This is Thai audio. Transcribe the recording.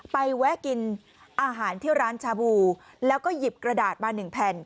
แวะกินอาหารที่ร้านชาบูแล้วก็หยิบกระดาษมาหนึ่งแผ่น